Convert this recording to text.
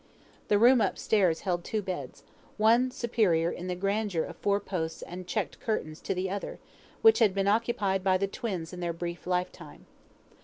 The room up stairs held two beds, one superior in the grandeur of four posts and checked curtains to the other, which had been occupied by the twins in their brief life time.